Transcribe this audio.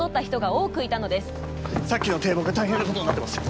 さっきの堤防が大変なことになってますよ。